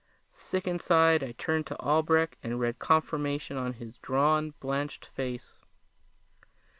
Sick inside, I turned to Albrecht and read confirmation in his drawn, blanched face.